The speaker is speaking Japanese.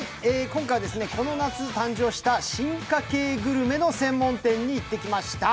今回はこの夏誕生した進化系グルメの専門店に行ってきました。